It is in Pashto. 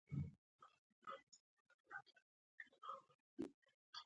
نوماندي او غړیتوب یې په اتومات ډول منل کېږي.